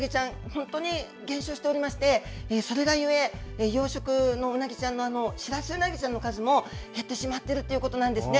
本当に減少しておりましてそれがゆえ、養殖のウナギちゃんシラスウナギちゃんの数も減ってしまっているということなんですね。